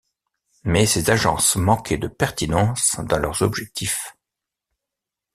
Mais ces agences manquaient de pertinence dans leurs objectifs.